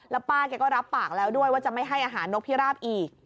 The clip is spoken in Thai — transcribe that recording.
แล้วป้าแกก็รับปากแล้วด้วยว่าจะไม่ให้อาหารนกพิราบอีก